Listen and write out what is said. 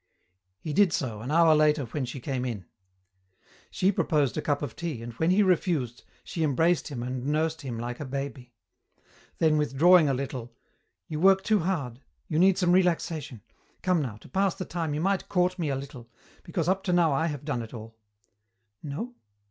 He did so, an hour later when she came in. She proposed a cup of tea, and when he refused, she embraced him and nursed him like a baby. Then withdrawing a little, "You work too hard. You need some relaxation. Come now, to pass the time you might court me a little, because up to now I have done it all. No?